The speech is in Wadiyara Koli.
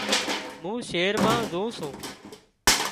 مُون شهر مان زون سُون